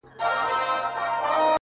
• دا مي سوگند دی،